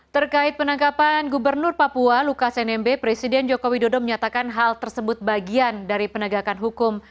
terkait penangkapan gubernur papua lukas nmb presiden joko widodo menyatakan hal tersebut bagian dari penegakan hukum